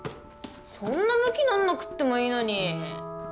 そんなむきになんなくってもいいのに。